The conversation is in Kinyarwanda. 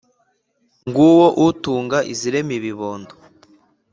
Nguwo utunga izirema ibondo!